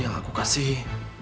yang aku kasihi